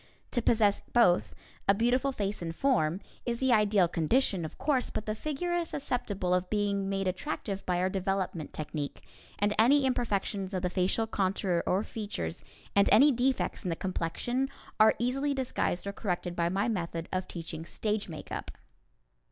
To possess both, a beautiful face and form, is the ideal condition, of course, but the figure is susceptible of being made attractive by our development technique, and any imperfections of the facial contour or features, and any defects in the complexion, are easily disguised or corrected by my method of teaching stage makeup.